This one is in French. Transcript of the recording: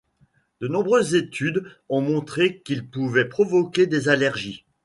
De nombreuses études ont montré qu'il pouvait provoquer des allergies.